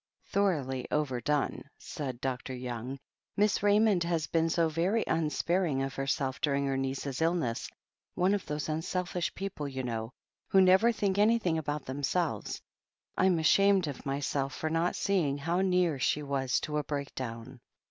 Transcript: "Thoroughly overdone," said Dr. Young. "Miss Raymond has been so very unsparing of herself dur ing her niece's illness — one of those unselfish people, you know, who never think anything about themselves. I am ashamed of myself for not seeing how near she was to a break down."